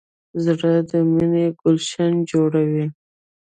زړه د مینې ګلشن جوړوي.